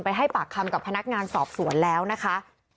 ให้ปากคำกับพนักงานสอบสวนแล้วนะคะ